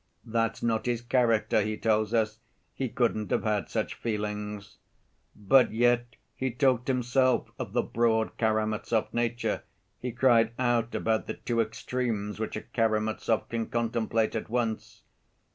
That's not his character, he tells us, he couldn't have had such feelings. But yet he talked himself of the broad Karamazov nature; he cried out about the two extremes which a Karamazov can contemplate at once.